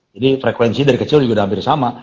jadi frekuensi dari kecil juga udah hampir sama